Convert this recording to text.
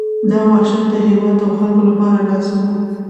دا وحشت د هېواد او خلکو لپاره لازم وو.